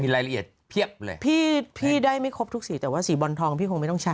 รายละเอียดเพียบเลยพี่พี่ได้ไม่ครบทุกสีแต่ว่าสีบอลทองพี่คงไม่ต้องใช้